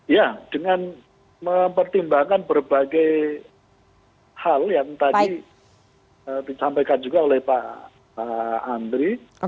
ya dengan mempertimbangkan berbagai hal yang tadi disampaikan juga oleh pak andri